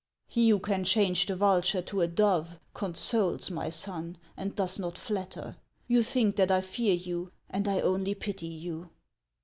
" He who can change the vulture to a dove, consoles, my son, and does not flatter. You think that I fear you, and I only pity you